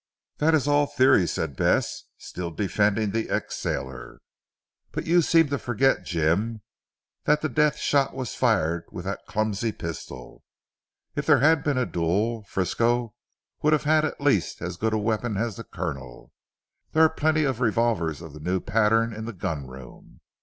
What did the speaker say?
"That is all theory," said Bess still defending the ex sailor, "but you seem to forget Jim that the death shot was fired with that clumsy pistol. If there had been a duel Frisco would have had at least as good a weapon as the Colonel. There are plenty of revolvers of the new pattern in the gun room.